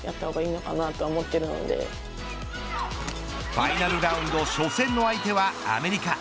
ファイナルラウンド初戦の相手はアメリカ。